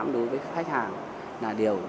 đối với khách hàng là điều